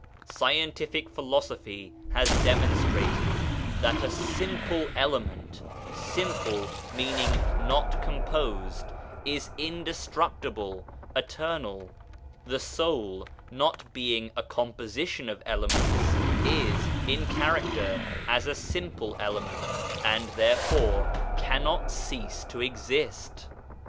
Scientific philosophy has demonstrated that a simple element (" simple/' meaning " not composed ") is indestructible, eternal. The Soul, not being a composi tion of elements, is, in character, as a simple element, and therefore cannot cease to exist.